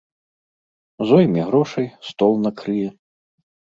Зойме грошай, стол накрые.